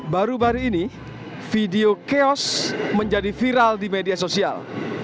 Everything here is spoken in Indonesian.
baru baru ini video chaos menjadi viral di media sosial